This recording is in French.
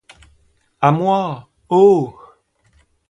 A moi, oh!